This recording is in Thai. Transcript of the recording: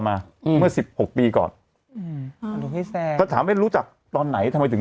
มาเมื่อ๑๖ปีก่อนอืมหรือพี่แซมถามไม่รู้จักตอนไหนทำไมถึง